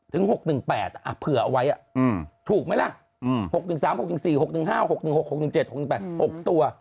ถึง๖๑๘เผื่อเอาไว้ถูกไหมล่ะ๖๑๓๖๑๔๖๑๕๖๑๖๖๑๗๖๑๘๖ตัว